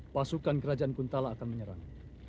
pasukan kerajaan kuntala akan menyerang